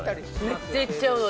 めっちゃいっちゃうわ